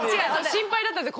心配だったんです。